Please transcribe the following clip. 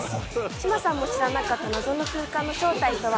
志麻さんも知らなかった、謎の空間の正体とは。